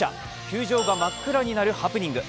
球場が真っ暗になるハプニング。